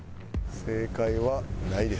正解はないです。